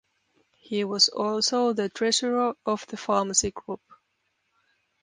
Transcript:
He was also the treasurer of the pharmacy group.